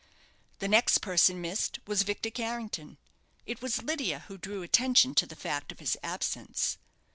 The next person missed was Victor Carrington. It was Lydia who drew attention to the fact of his absence.